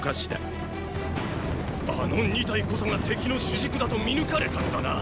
あの二隊こそが敵の主軸だと見抜かれたのだな！